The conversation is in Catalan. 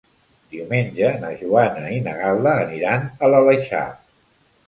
Diumenge na Joana i na Gal·la aniran a l'Aleixar.